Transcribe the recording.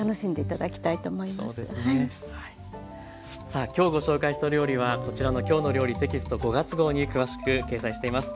さあ今日ご紹介したお料理はこちらの「きょうの料理」テキスト５月号に詳しく掲載しています。